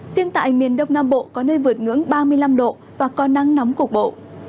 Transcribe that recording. riêng tại miền đông nam bộ có nơi vượt ngưỡng ba mươi năm độ và có nắng nóng cục bộ